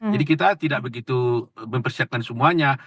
jadi kita tidak begitu mempersiapkan semuanya